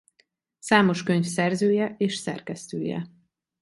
Számos könyv szerzője és szerkesztője.